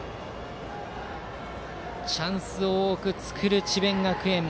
チャンスを多く作る智弁学園。